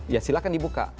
ya silahkan dibuka